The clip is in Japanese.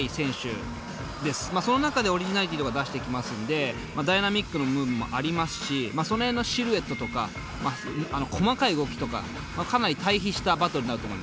その中でオリジナリティーとか出してきますのでダイナミックなムーブもありますしその辺のシルエットとか細かい動きとかかなり対比したバトルになると思います。